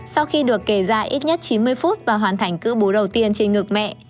sau khi được kể ra ít nhất chín mươi phút và hoàn thành cư bú đầu tiên trên ngực mẹ